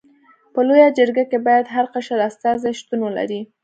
په لويه جرګه کي باید هر قشر استازي شتون ولري.